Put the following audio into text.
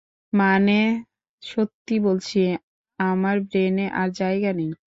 মানে, সত্যি বলছি, আমার ব্রেনে আর জায়গা নেই।